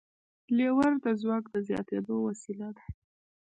لیور د ځواک د زیاتېدو وسیله ده.